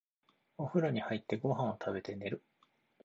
お風呂に入って、ご飯を食べて、寝る。